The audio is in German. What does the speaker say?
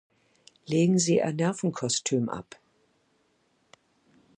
Legen Sie Ihr Nervenkostüm ab!